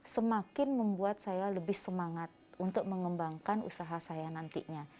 semakin membuat saya lebih semangat untuk mengembangkan usaha saya nantinya